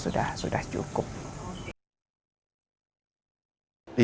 ruangan kerja ini menurut saya cukup representatif